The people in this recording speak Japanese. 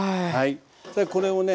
これをね